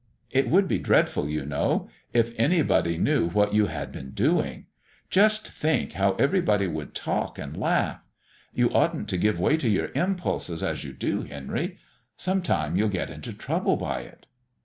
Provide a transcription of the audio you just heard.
"It would be dreadful, you know, if anybody knew what you had been doing. Just think how everybody would talk and laugh. You oughtn't to give way to your impulses as you do, Henry. Some time you'll get into trouble by it."